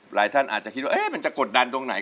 หลายท่านอาจจะคิดว่ามันจะกดดันตรงไหน